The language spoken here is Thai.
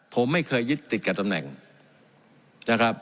ผมไม่เคยยึดติดกับตำแหน่งนะครับ